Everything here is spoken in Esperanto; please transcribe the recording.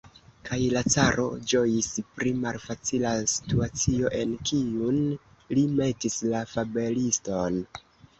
Kaj la caro ĝojis pri malfacila situacio, en kiun li metis la fabeliston.